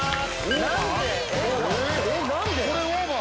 何で⁉これオーバー？